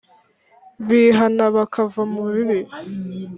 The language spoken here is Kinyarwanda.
Bihana bakava mu bibi